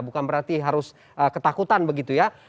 bukan berarti harus ketakutan begitu ya